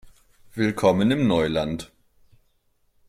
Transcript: Willkommen im Neuland!